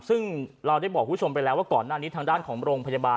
ซึ่งเราได้บอกคุณผู้ชมไปแล้วว่าก่อนหน้านี้ทางด้านของโรงพยาบาล